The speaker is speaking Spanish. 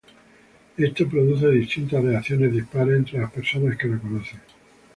Esto produce distintas reacciones dispares entre las personas que la conocen.